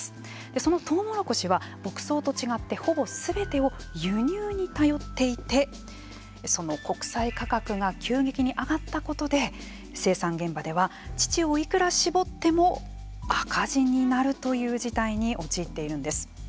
そのトウモロコシは牧草と違ってほぼすべてを輸入に頼っていてその国際価格が急激に上がったことで生産現場では乳をいくら搾っても赤字になるという事態に陥っているんです。